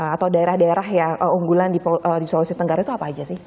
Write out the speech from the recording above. atau daerah daerah yang unggulan di sulawesi tenggara itu apa aja sih